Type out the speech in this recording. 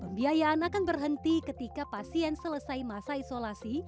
pembiayaan akan berhenti ketika pasien selesai masa isolasi